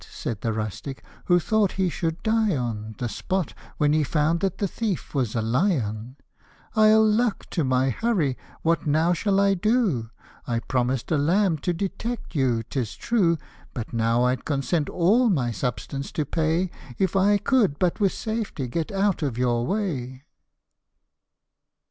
" said the rustic, who thought he should die on The spot, when he found that the thief was a lion !'* 111 luck to my hurry ! what now shall I do ? I promised a lamb to detect you, 'tis true ; But now I'd consent all my substance to pay, If I could but with safety get out of your way."